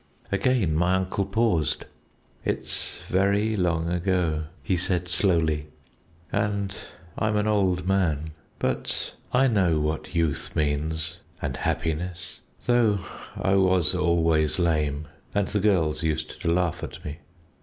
Again my uncle paused. "It's very long ago," he said slowly, "and I'm an old man; but I know what youth means, and happiness, though I was always lame, and the girls used to laugh at me.